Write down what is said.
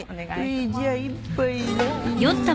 ういじゃあ一杯。